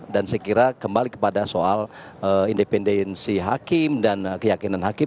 dan saya kira kembali kepada soal independensi hakim dan keyakinan hakim